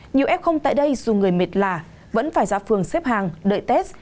nhiều f tại đây dù người mệt lạ vẫn phải ra phường xếp hàng đợi test